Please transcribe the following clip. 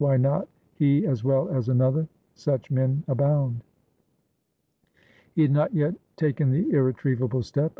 Why not he as well as another? Such men abound. He had not yet taken the irretrievable step.